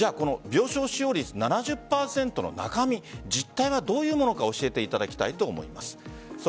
病床使用率７０％の中身実態はどういうものか教えていただきたいと思います。